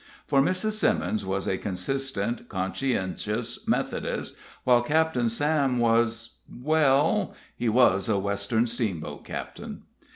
For Mrs. Simmons was a consistent, conscientious Methodist, while Captain Sam was well, he was a Western steamboat captain.